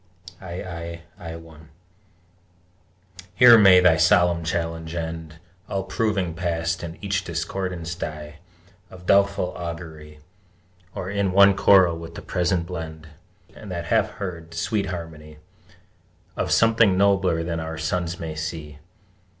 III 1 Here may thy solemn challenge end, All proving Past, and each discordance die Of doubtful augury, Or in one choral with the Present blend, And that half heard, sweet harmony Of something nobler that our sons may see!